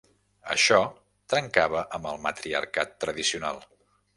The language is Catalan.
Això trencava amb el matriarcat tradicional.